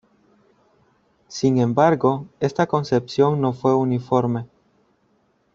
Sin embargo, esta concepción no fue uniforme.